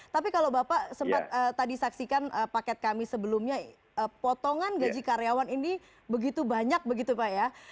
tapi kalau bapak sempat tadi saksikan paket kami sebelumnya potongan gaji karyawan ini begitu banyak begitu pak ya